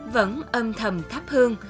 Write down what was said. vẫn âm thầm thắp hương